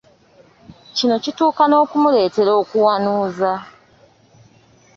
Kino kituuka n’okumuleetera okuwanuuza.